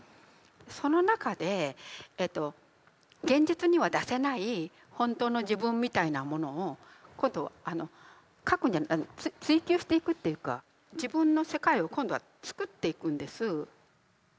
その中で現実には出せない本当の自分みたいなものを今度は書くんじゃない追求していくっていうか自分の世界を今度は作っていくんです。